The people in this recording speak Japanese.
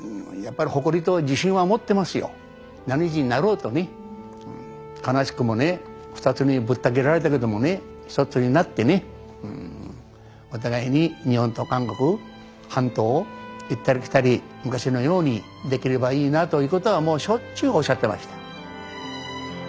おばあちゃんのお国ですから悲しくもね２つにぶった切られたけどもね一つになってねお互いに日本と韓国半島を行ったり来たり昔のようにできればいいなということはもうしょっちゅうおっしゃってました。